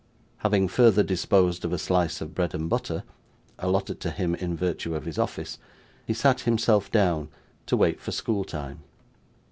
Having further disposed of a slice of bread and butter, allotted to him in virtue of his office, he sat himself down, to wait for school time.